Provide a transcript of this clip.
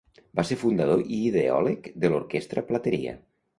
Va ser fundador i ideòleg de l'Orquestra Plateria.